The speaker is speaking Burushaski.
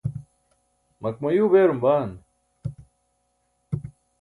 makmayuu beerum baan?